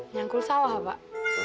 nyangkul sawah pak